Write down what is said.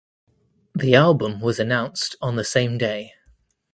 The album was announced on the same day.